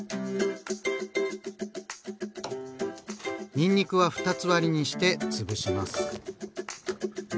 にんにくは二つ割りにして潰します。